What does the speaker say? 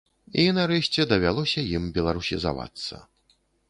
І, нарэшце, давялося ім беларусізавацца.